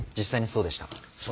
そう。